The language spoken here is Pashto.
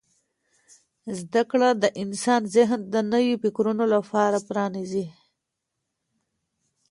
زده کړه د انسان ذهن د نویو فکرونو لپاره پرانیزي.